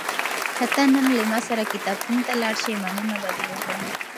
که ته نن له ما سره کتابتون ته لاړ شې، مننه به دې وکړم.